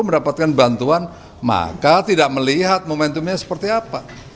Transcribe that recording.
mendapatkan bantuan maka tidak melihat momentumnya seperti apa